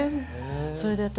それで私